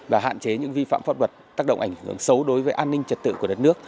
và hạn chế những vi phạm pháp luật tác động ảnh hưởng xấu đối với an ninh trật tự của đất nước